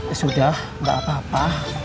eh sudah gak apa apa